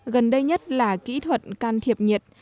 gần đây nhất là kỹ thuật can thiệp nhiệt